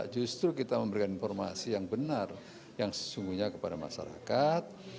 justru kita memberikan informasi yang benar yang sesungguhnya kepada masyarakat